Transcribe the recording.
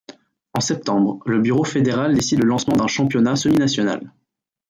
En septembre, le bureau fédéral décide le lancement d’un championnat semi–national.